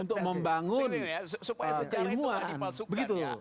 untuk membangun keilmuan